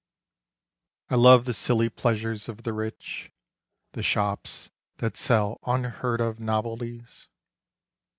I love the silly pleasures of the rich ; The shops that sell unheard of novelties.